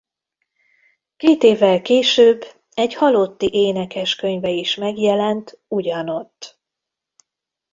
Két évvel később egy halotti énekeskönyve is megjelent ugyanott.